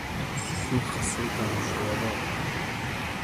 See Morley Pedals official site for more information.